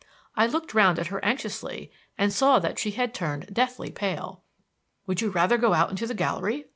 I looked round at her anxiously and saw that she had turned deathly pale. "Would you rather go out into the gallery?"